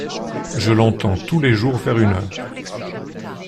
Je l’entends tous les jours vers une heure…